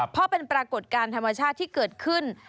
เพราะเป็นปรากฏการณ์ธรรมชาติที่เกิดขึ้น